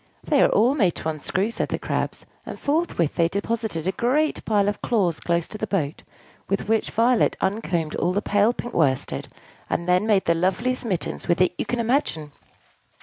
"They are all made to unscrew," said the Crabs; and forthwith they deposited a great pile of claws close to the boat, with which Violet uncombed all the pale pink worsted, and then made the loveliest mittens with it you can imagine.